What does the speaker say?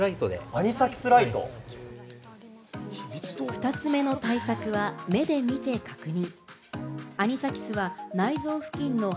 ２つ目の対策は目で見て確認。